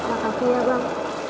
makasih ya bang